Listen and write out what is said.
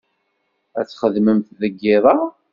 Ad txedmemt deg iḍ-a?